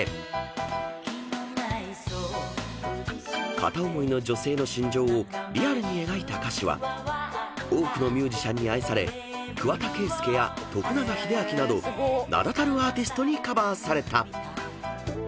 ［片思いの女性の心情をリアルに描いた歌詞は多くのミュージシャンに愛され桑田佳祐名だたるアーティストにカバーされた］